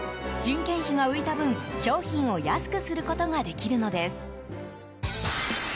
人件費が浮いた分、商品を安くすることができるのです。